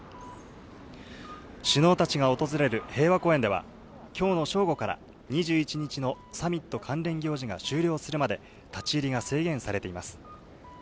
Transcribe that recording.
首脳たちが訪れる平和公園では、きょうの正午から、２１日のサミット関連行事が終了するまで、立ち入りが制限されています。